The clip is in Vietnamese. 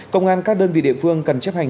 công an các đơn vị địa phương cần chấp hành